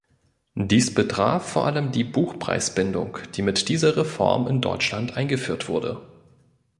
Dies betraf vor allem die Buchpreisbindung, die mit dieser Reform in Deutschland eingeführt wurde.